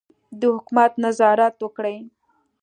د حکومت نظارت وکړي.